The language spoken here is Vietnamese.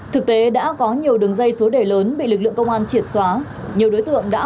thực tế đã có nhiều đường dây số đề lớn bị lực lượng công an triệt xóa nhiều đối tượng đã